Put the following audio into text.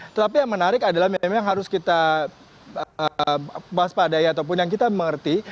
tetapi yang menarik adalah memang harus kita waspadai ataupun yang kita mengerti